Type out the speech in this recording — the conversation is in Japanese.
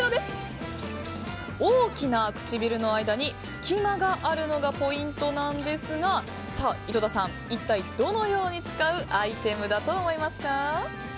大きな唇の間に隙間があるのがポイントなんですが井戸田さん、一体どのように使うアイテムだと思いますか？